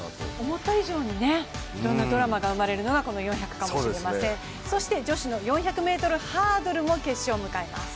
思った以上にいろんなドラマが生まれるのがこの４００かもしれませんそして女子４００ｍハードルも決勝を迎えます。